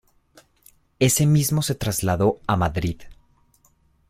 Ese mismo se trasladó a Madrid.